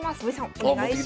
お願いします。